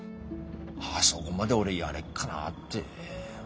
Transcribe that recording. あそこまで俺やれっかなぁって。